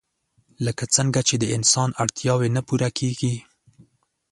لکه څنګه چې د انسان اړتياوې نه پوره کيږي